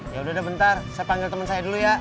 yaudah bentar saya panggil temen saya dulu ya